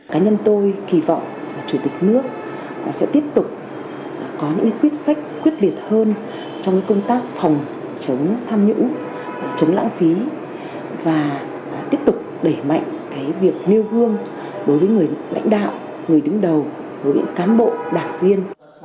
cá nhân tôi kỳ vọng là chủ tịch nước sẽ tiếp tục có những quyết sách quyết liệt hơn trong công tác phòng chống tham nhũng chống lãng phí và tiếp tục đẩy mạnh việc nêu gương đối với người lãnh đạo người đứng đầu đối với cán bộ đảng viên